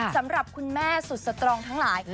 สำหรับคุณแม่สุดสตรองทั้งหลาย